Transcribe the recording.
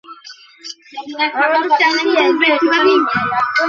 তাই এবার প্রথমবারের মতো বাংলাদেশের ফিনিশড লেদার পণ্য প্রদর্শনী করা হবে।